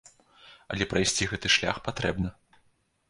Але прайсці гэты шлях патрэбна.